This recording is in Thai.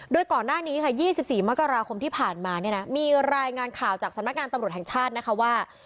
โดยก่อนหน้านี้ค่ะ๒๔มกราคมที่ผ่านมาเนี่ยนะมีรายงานข่าวจากสำนักงานตำรวจแห่งชาตินะคะว่า